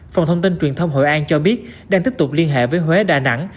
phòng thông tin truyền thông hội an cho biết đang tiếp tục liên hệ với huế đà nẵng